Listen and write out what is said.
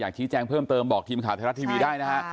อยากชี้แจ้งเพิ่มเติมบอกทีมขาวเทศรัทย์ทีวีได้นะคะ